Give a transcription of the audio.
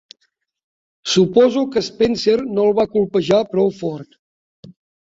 Suposo que Spencer no el va colpejar prou fort.